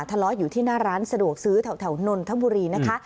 ทะเลาะอยู่ที่หน้าร้านสะดวกซื้อแถวนนทบุรีนะคะ